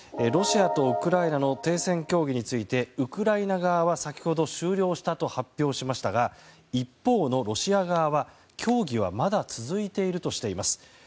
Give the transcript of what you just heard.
ロシアとウクライナの停戦協議についてウクライナ側は先ほど終了したと発表しましたが一方のロシア側は協議はまだ続いているとしています。